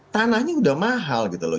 tanahnya udah mahal gitu loh